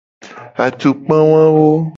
Atukpa wawo.